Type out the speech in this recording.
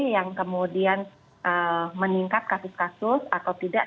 yang kemudian meningkat kasus kasus atau tidak